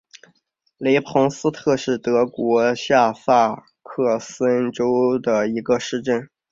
雷彭斯特是德国下萨克森州的一个市镇。